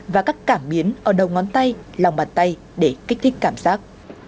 và các cảm biến ở đầu ngón tay lòng bàn tay để kích thích cảm giác